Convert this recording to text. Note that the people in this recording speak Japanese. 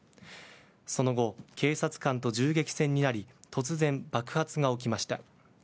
その後、警察官と銃撃戦になり突然、爆発が起きました。